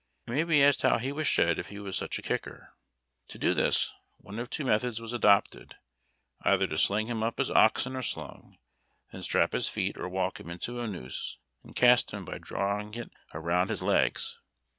It may be asked how he was shod if he was such a kicker. To do this, one of two methods was adopted; either to sling him up as oxen are slung, then strap his feet ; or walk him into a noose, and cast him, by drawing it around his legs.